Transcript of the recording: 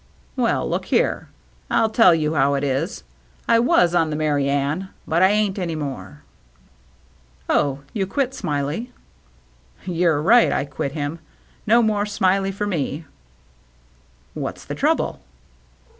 " Well, look here ; I'll tell you how it is. I was on the Merry Anne^ but I ain't any more." " Oh, you quit Smiley ?"" You're right, I quit him. No more Smiley for me." "What's the trouble?"